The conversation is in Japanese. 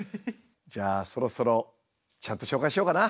じゃあそろそろちゃんと紹介しようかな？